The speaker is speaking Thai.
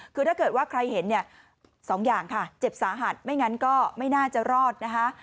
คือถ้าเกิดว่าใครเห็นเนี่ยสองอย่างค่ะเจ็บสาหัสไม่งั้นก็ไม่น่าจะรอดนะคะ